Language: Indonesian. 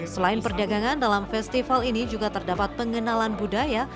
selain perdagangan dalam festival ini juga terdapat pengenalan budaya